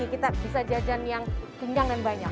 kita bisa jajan yang kenyang dan banyak